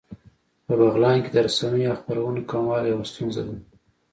په بغلان کې د رسنیو او خپرونو کموالی يوه ستونزه ده